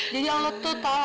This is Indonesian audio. jadi allah tuh tau